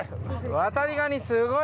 ワタリガニすごい！